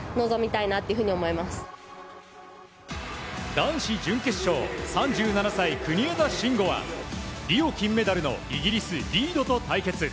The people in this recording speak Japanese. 男子準決勝３７歳、国枝慎吾はリオ金メダルのイギリス、リードと対決。